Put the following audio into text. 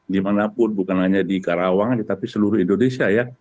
dimanapun bukan hanya di karawang tetapi seluruh indonesia ya